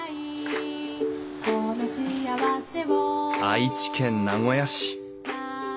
愛知県名古屋市。